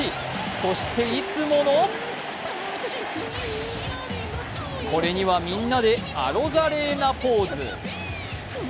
そしていつものこれには、みんなでアロザレーナポーズ。